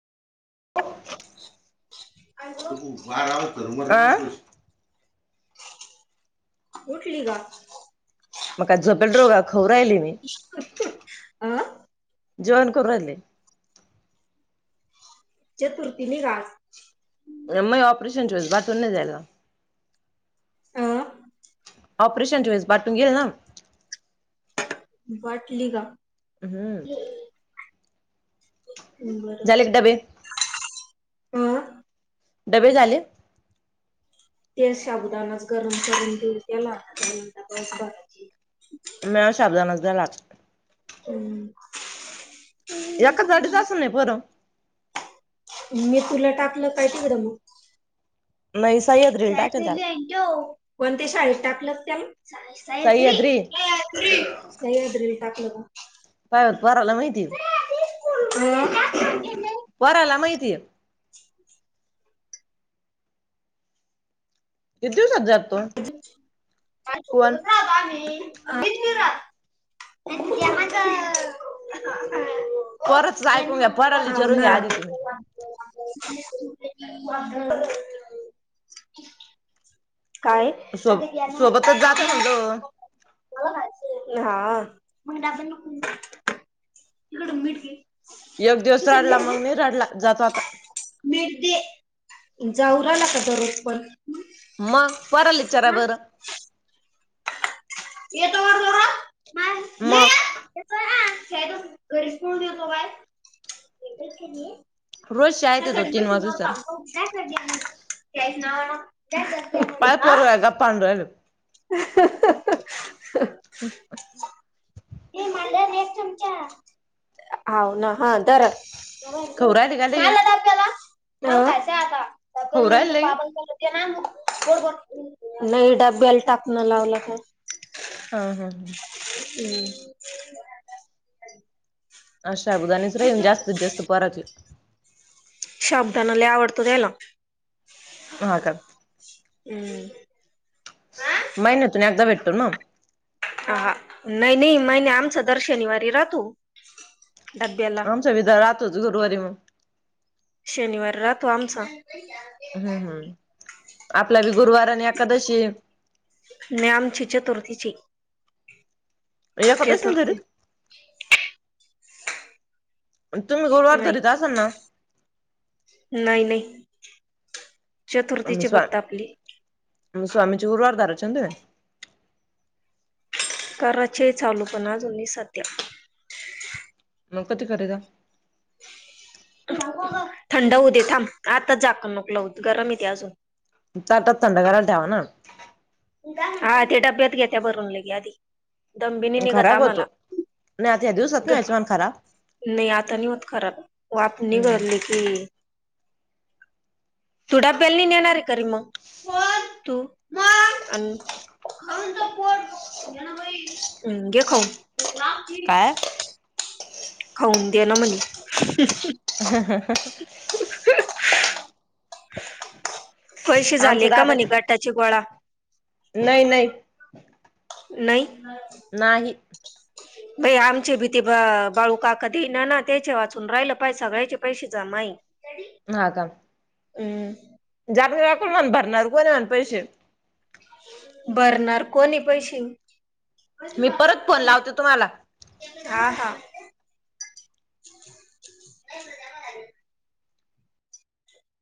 उक बारम करू म आ [unintelligible] उठली का. मग झोपल राऊ का. आ. जोन कोरोलेे राहिले. चतुर्थी निघास. मग ऑपरेशनस बाथरूम नाही जायला. अ ऑपरेशन जईस बाटून गेल ना. वाटलीगा. ह. हो. झाले का डबे. आं. डबे झाले. ते साबुदानाच गरम करून देऊ [unintelligible] न त्या ला बस बराय म शब्दा नचता लाग [unintelligible] हम् एका गाडीत तास नाही पर. मी तुला टाकलं काहितीकडं मग. नाही सह्याद्रीला टाकेल त्याला कोण ते शाळेत टाकलंच त्याला. सह्याद्री सईद्री टाकल का. पाय पराला माहिती पराला माहिती. ती येत. किती दिवसात जा कायत रा होता [unintelligible] रा [unintelligible] परत ऐकून घ्या पोराला विचारून घ्या आधी तुम्ही. [unintelligible] काय सोब अगना सोबतच जाते म्हणलो हा [unintelligible] तिकडे मीठ घे. एक दिवस इकडं मीठ रडला घे मग म रडला जातो आता. ते जाऊ राला का दररोज पण. मग पर विचारा बरं. येतोरा म शदच घरीच पळून येतो बाहेर नाही रोज शाळेत ह येतो तीन वाजूसतर. कडठ त्यायच नावा ना पायपर गपानड राय ह हम् ु ह ना हा तर खाऊ राहिले का लगे? झाला ट आप्यालाय आता टप्या खाऊ राहिले नंतर लगे? बाब ड न डबबेल टाकण लावलं तर हा हा हा हम् अशा बुधा आणिस येन जास्त जास्त परत शाब्दानाला आवडतो त्याला ह का हम्म माहिन तु एकदा भेटतो ना ह नाही नाही मै आमचा दर शनिवारी राह तू डब्याला आमचा विदा राहतोच गुरुवारी मग. शनिवार राहतो आमचा हम्म हम्म आपला बी गुरुवार आणि एकादशी न्याम चि चतुर्थचीचे या कता अस ना घर तुम्ही गुरवार नाही धरीत असाल ना नाही नाही चतुर्थीची बापत आपली म स्वामीचे गुरवार दार अन कराचे चालू पण जुनी सत्या मग कधी खरदा थंड होऊ दे थांब आताच जाकण नकलं होत गरम येते अजून चटात थंड करायला ठेवा ना हा ते डब्यात घेत त्या्या भरून लगे आधी दमबीनी निघत खराब होतो आम्हाला न आ त दिवसत ग नाही वचमाण खराब नाही आता नाही होत खराब आपनी हम्म. गरली की तथडा ब्यालनी नेणारे करी मग तू हम् गेख काय? खाऊन द्या ना म्हणे ह ह पैसे आमचं झाले का दादाच मणे गाटाची गोळा नाही नाही नाही नाही बाई आमचे भीती बाळूका कधी ना ना त्याचे वाचून राहिलं पाहिजे सगळ्याचे पैसे जमा नाही ह का हम् चकल म्हण भरणार कोण म्ह पैसे बरणार कोणी पैसे मी परत फोन लावते तुम्हाला हा हा नाही